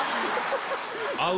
合う？